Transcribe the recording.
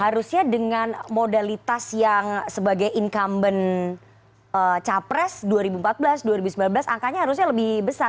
harusnya dengan modalitas yang sebagai incumbent capres dua ribu empat belas dua ribu sembilan belas angkanya harusnya lebih besar